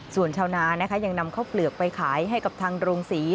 ส่วนชาวนานะคะยังนำข้าวเปลือกไปขายให้กับทางโรงศรี